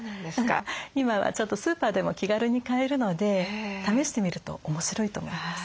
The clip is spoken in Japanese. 今はちょっとスーパーでも気軽に買えるので試してみると面白いと思います。